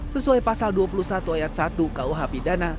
sesuai pasal dua puluh satu ayat satu kuh pidana